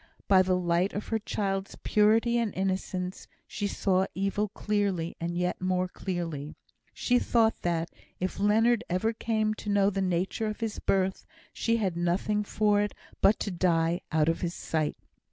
By the light of her child's purity and innocence, she saw evil clearly, and yet more clearly. She thought that, if Leonard ever came to know the nature of his birth, she had nothing for it but to die out of his sight.